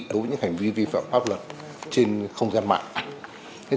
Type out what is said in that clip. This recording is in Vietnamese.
đối với những hành vi vi phạm pháp luật trên không gian mạng